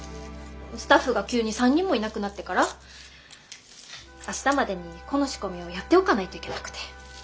スタッフが急に３人もいなくなってから明日までにこの仕込みをやっておかないといけなくて。